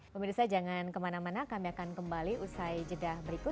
pemirsa jangan kemana mana kami akan kembali usai jeda berikut